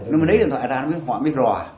nó mới lấy điện thoại ra nó mới hỏi mới rò